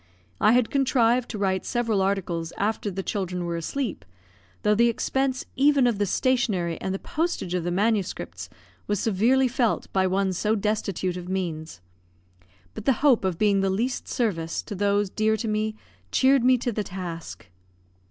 I had contrived to write several articles after the children were asleep, though the expense even of the stationery and the postage of the manuscripts was severely felt by one so destitute of means; but the hope of being of the least service to those dear to me cheered me to the task.